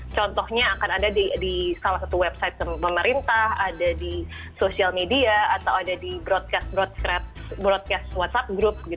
contohnya akan ada di salah satu website pemerintah ada di sosial media atau ada di broadcast whatsapp group